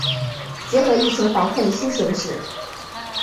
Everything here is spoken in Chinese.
结合疫情防控新形势